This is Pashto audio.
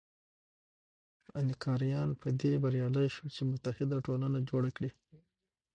اینکاریان په دې بریالي شول چې متحد ټولنه جوړه کړي.